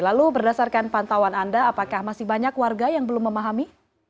lalu berdasarkan pantauan anda apakah masih banyak warga yang belum memahami